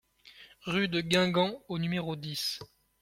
Rue de Guingamp au numéro dix